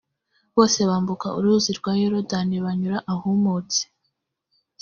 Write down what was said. bose bambukaga uruzi rwa yorodani banyura ahumutse